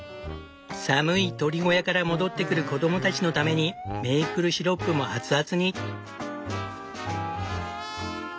寒い鶏小屋から戻ってくる子供たちのためにメープルシロップも熱々に。